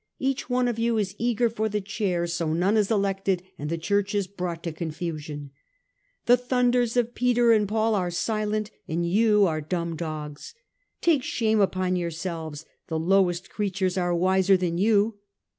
Each one of you is eager for the Chair, so none is elected and the Church is brought to confusion. The thunders of Peter and Paul are silent and you are dumb dogs. Take shame upon yourselves ! the lowest creatures are wiser than you